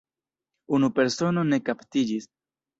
Unu persono ne kaptiĝis.